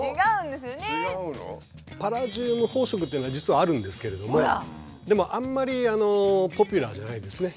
パラジウム宝飾っていうのは実はあるんですけれどもでもあんまりポピュラーじゃないですね。